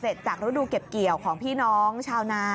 โอ้โฮแปลกค่ะโอ้โฮ